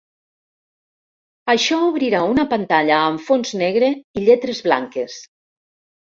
Això obrira una pantalla amb fons negre i lletres blanques.